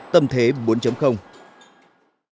đó là tâm thế bốn